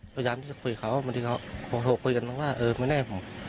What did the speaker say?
พยายามที่จะคุยกับเขาเมื่อที่เขาโทรคุยกันต้องว่าเออไม่ได้ผม